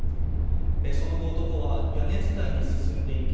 その後、男は屋根伝いに進んでいき